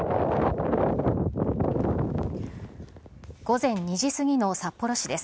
午前２時過ぎの札幌市です。